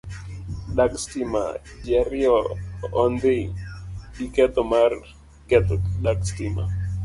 Dag stima- ji ariyo ondhi giketho mar ketho dag stima